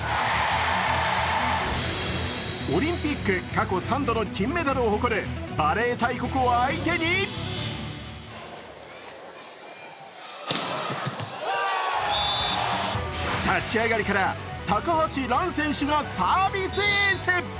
オリンピック過去３度の金メダルを誇るバレー大国を相手に立ち上がりから高橋藍選手がサービスエース。